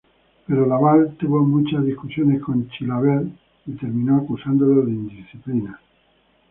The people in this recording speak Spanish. Pero Lavalle tuvo muchas discusiones con Chilavert, y terminó acusándolo de indisciplina.